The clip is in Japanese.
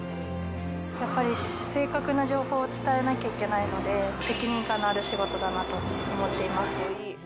やっぱり正確な情報を伝えなきゃいけないので、責任感のある仕事だなと思ってます。